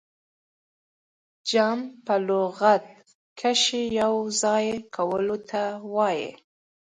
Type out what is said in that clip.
جمع په لغت کښي يو ځاى کولو ته وايي.